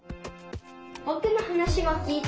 ぼくのはなしもきいて。